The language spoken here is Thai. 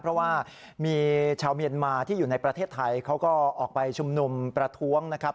เพราะว่ามีชาวเมียนมาที่อยู่ในประเทศไทยเขาก็ออกไปชุมนุมประท้วงนะครับ